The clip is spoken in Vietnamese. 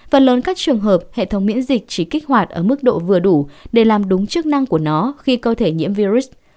phần lớn các trường hợp hệ thống miễn dịch chỉ kích hoạt ở mức độ vừa đủ để làm đúng chức năng của nó khi cơ thể nhiễm virus